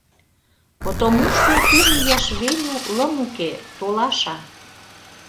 Потомушто кум ияш Веню лым уке — толаша: